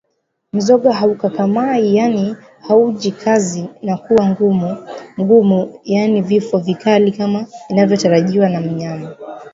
Mzoga haukakamai yaani haujikazi na kuwa mgumu yaani vifo vikali kama inavyotarajiwa kwa mnyama